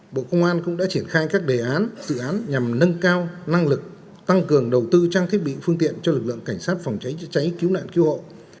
bộ công an cũng đã triển khai các đề án dự án nhằm nâng cao năng lực tăng cường đầu tư trang thiết bị phương tiện cho lực lượng cảnh sát phòng cháy chữa cháy cứu nạn cứu hộ